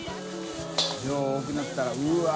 多くなったらうわっ。